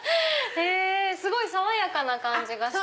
すごい爽やかな感じがしたので。